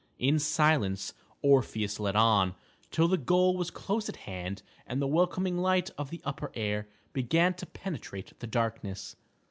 In silence Orpheus led on, till the goal was close at hand and the welcoming light of the upper air began to penetrate the darkness.